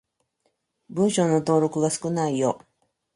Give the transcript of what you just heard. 文章の登録が少ないよ。